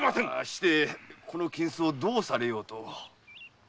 してこの金子をどうされようと？